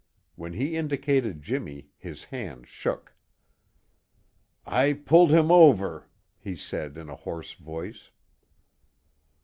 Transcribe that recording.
When he indicated Jimmy his hand shook. "I pulled him over," he said in a hoarse voice.